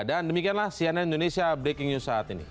dan demikianlah cnn indonesia breaking news saat ini